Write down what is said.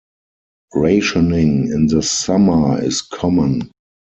Rationing in the summer is common.